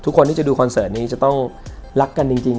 คนที่จะดูคอนเสิร์ตนี้จะต้องรักกันจริง